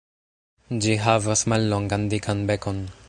Ĝi havas mallongan dikan bekon.